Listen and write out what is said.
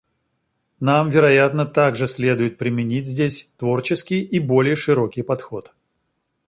Нам, вероятно, также следует применить здесь творческий и более широкий подход.